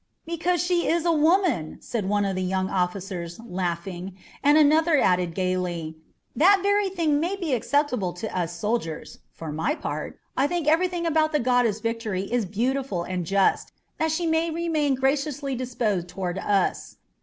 "Because she is a woman," said one of the young officers, laughing; and another added gaily: "That very thing may be acceptable to us soldiers. For my part, I think everything about the goddess of Victory is beautiful and just, that she may remain graciously disposed toward us.